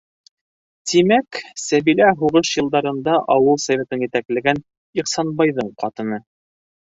Тимәк, Сәбилә һуғыш йылдарында ауыл Советын етәкләгән Ихсанбайҙың ҡатыны!